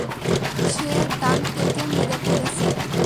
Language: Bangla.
সে দান্তেকে মেরে ফেলেছে।